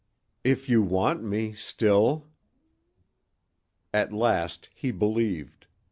"If you want me still." At last he believed.